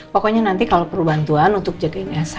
pokoknya nanti kalau perlu bantuan untuk jagain elsa